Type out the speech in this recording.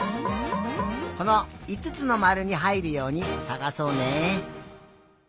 このいつつのまるにはいるようにさがそうね。